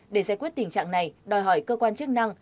để giải quyết tình trạng này đòi hỏi cơ quan chức năng